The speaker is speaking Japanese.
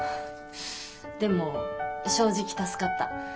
でも正直助かった。